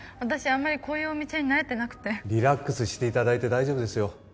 あんまりこういうお店に慣れてなくてリラックスしていただいて大丈夫ですよ